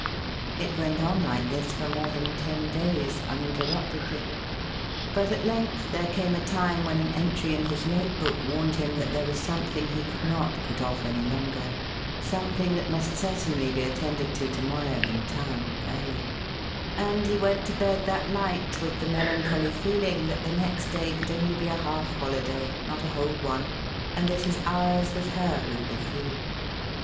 It went on like this for more than ten days, uninterruptedly; but at length there came a time when an entry in his notebook warned him that there was something he could not put off any longer something that must certainly be attended to to morrow, in town, early and he went to bed that night with the melancholy feeling that the next day could only be a half holiday, not a whole one, and that his hours with her would be few.